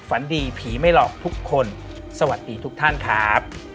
ฝันดีผีไม่หลอกทุกคนสวัสดีทุกท่านครับ